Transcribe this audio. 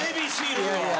いやいや。